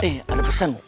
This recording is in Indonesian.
eh ada pesan